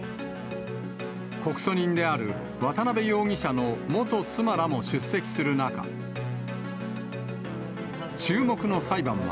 告訴人である渡辺容疑者の元妻らも出席する中、注目の裁判は、